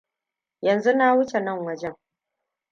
Yanzu na huce nan wajen.